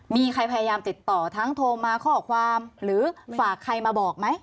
มีใครพยายามติดต่อทั้งโทรมาข้อความหรือฝากใครมาบอกไหม